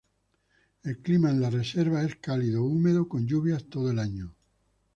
El clima en la reserva es cálido húmedo con lluvias todo el año.